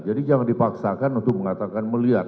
jangan dipaksakan untuk mengatakan melihat